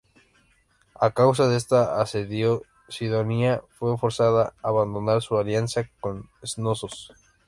A causa de este asedio, Cidonia fue forzada a abandonar su alianza con Cnosos.